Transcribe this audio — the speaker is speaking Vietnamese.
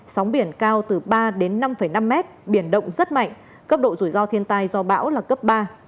sóng biển cao từ ba đến năm năm mét biển động rất mạnh cấp độ rủi ro thiên tai do bão là cấp ba